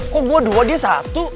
kok gue dua dia satu